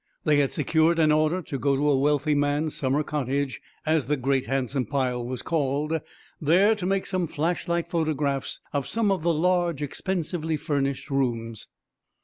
They had secured an order to go to a wealthy man's summer "cottage," as the great, handsome pile was called, there to make some flashlight photographs of some of the large, expensively furnished rooms.